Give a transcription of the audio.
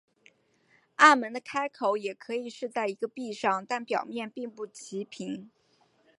暗门的开口也可以是在一个壁上但表面并不齐平。